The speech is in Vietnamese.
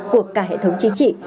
của cả hệ thống chính trị